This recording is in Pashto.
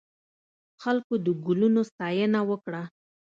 خلکو د ګلونو ستاینه وکړه.